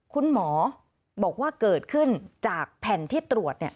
คุณหมอบอกว่าเกิดขึ้นจากแผ่นที่ตรวจ